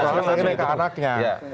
orang mengaitkan ke anaknya